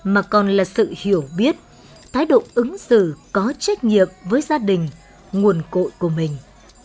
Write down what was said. mà còn là sự hiểu biết thái độ ứng xử có trách nhiệm với gia đình nguồn cội của mình